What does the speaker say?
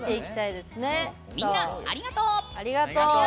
みんな、ありがとう！